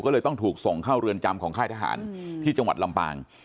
ก็เลยต้องถูกส่งเข้าเรือนจำของค่ายทหารที่จังหวัดลำปาง